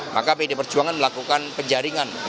maka pd perjuangan melakukan penjaringan